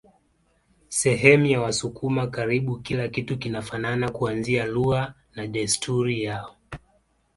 Sehemu ya wasukuma karibu kila kitu kinafanana kuanzia lugha na desturi yao